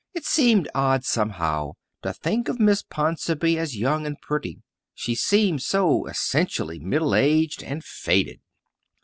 It seemed odd, somehow, to think of Miss Ponsonby as young and pretty. She seemed so essentially middle aged and faded.